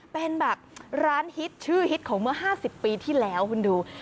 เป็นแบบร้านฮิตชื่อฮิตของเมื่อ๕๐ปีที่แล้วคุณดู